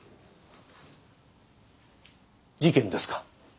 事件ですか？